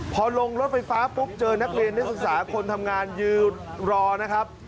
พอลงรถไฟฟ้าปุ๊บเจอนักเรียนนักศึกษาคนทำงานยืนรอนะครับ